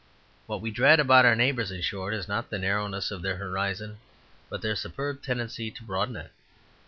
What we dread about our neighbours, in short, is not the narrowness of their horizon, but their superb tendency to broaden it.